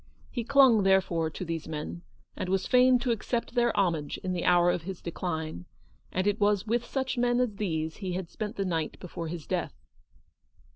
He clung, there fore, to these men, and was fain to accept their homage in the hour of his decline ; and it was with such men as these he had spent the night before his death.